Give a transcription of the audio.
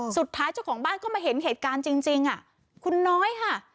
เจ้าของบ้านเข้ามาเห็นเหตุการณ์จริงคุณน้อยค่ะ